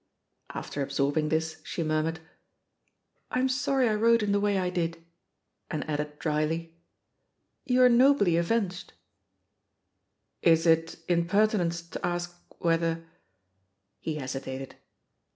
After absorbing this, she murmured, "I'm sorry I wrote in the way I did/* And added drily, "You're nobly avenged/' "Is it impertinence to ask whether " He hesitated.